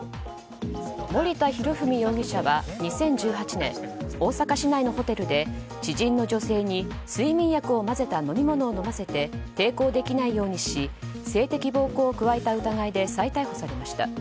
森田浩史容疑者は２０１８年大阪市内のホテルで知人の女性に睡眠薬を混ぜた飲み物を飲ませて抵抗できないようにし性的暴行を加えた疑いで再逮捕されました。